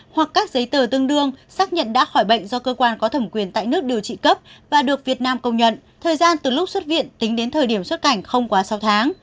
hoặc các giấy tờ tương đương xác nhận đã khỏi bệnh do cơ quan có thẩm quyền tại nước điều trị cấp và được việt nam công nhận thời gian từ lúc xuất viện tính đến thời điểm xuất cảnh không quá sáu tháng